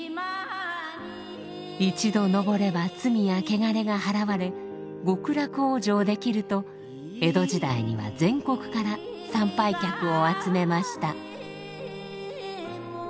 一度登れば罪や穢れがはらわれ極楽往生できると江戸時代には全国から参拝客を集めました。